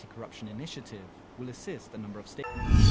cảm ơn các bạn đã theo dõi và hẹn gặp lại